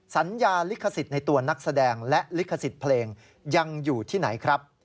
สัญญาลิขสิทธิ์ในตัวนักแสดงและลิขสิทธิ์เพลงยังอยู่ที่ไหนครับ